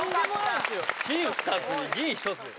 金２つに銀１つです。